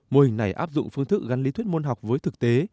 mô hình này áp dụng phương thức gắn lý thuyết môn học với thực tế